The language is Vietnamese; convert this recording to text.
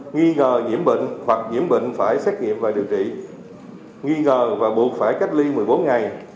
nghi ngờ nhiễm bệnh hoặc nhiễm bệnh phải xét nghiệm và điều trị nghi ngờ và buộc phải cách ly một mươi bốn ngày